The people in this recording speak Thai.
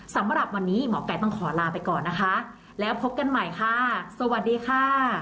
สำหรับวันนี้หมอไก่ต้องขอลาไปก่อนนะคะแล้วพบกันใหม่ค่ะสวัสดีค่ะ